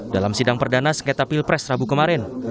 dalam sidang perdana sengketa pilpres rabu kemarin